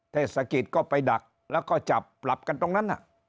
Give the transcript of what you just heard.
เทศกิจก็ไปดักแล้วก็จับปรับกันตรงนั้น